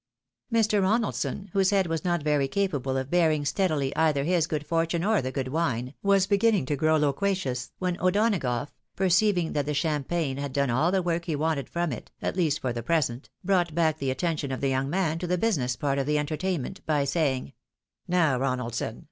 Mr. Ronaldson, whose head was not very capable of bearing steadily either his good fortune or the good wine, was beginning to gTow loquacious, when O'Donagough, perceiving that the champagne had done all the work he wanted from it, at least for the present, brought back the attention of the young man to the business part of the entertainment, by saying —" Now, Ronaldson